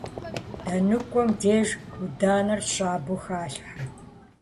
ДэныкӀуэм деж Ӏуданэр щабэу халъхьэ.